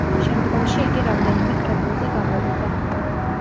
შემდგომში იგი რამდენიმე კრებულზე გამოვიდა.